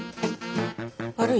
悪い？